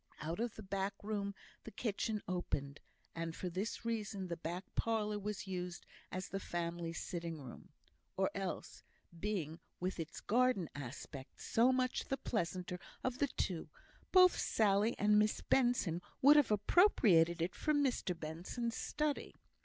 Out of the back room the kitchen opened, and for this reason the back parlour was used as the family sitting room; or else, being, with its garden aspect, so much the pleasanter of the two, both Sally and Miss Benson would have appropriated it for Mr Benson's study.